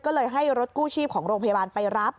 ก็เลยให้รถกู้ชีพของโรงพยาบาลไปรับ